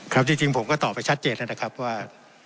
ครับจริงผมก็ตอบไปชัดเจนนะครับว่า